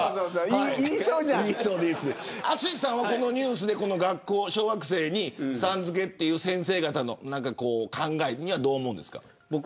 淳さんは、このニュースで小学生に、さん付けという先生方の考えにはどう思うんですか。